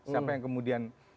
siapa yang kemudian